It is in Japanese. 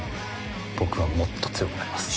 僕はもっと強くなります。